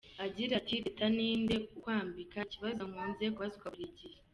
Agira ati “Teta, ninde ukwambika? Ikibazo nkunze kubazwa buri gihe.